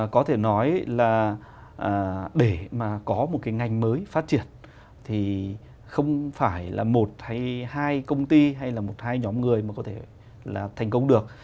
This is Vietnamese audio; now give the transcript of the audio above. có thể nói là để mà có một cái ngành mới phát triển thì không phải là một hay hai công ty hay là một hai nhóm người mà có thể là thành công được